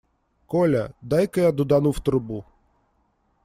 Коля, дай-ка я дудану в трубу.